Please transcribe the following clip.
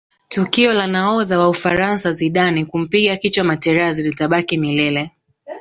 tukio la nahodha wa ufaransa zidane kumpiga kichwa materazi litabaki milele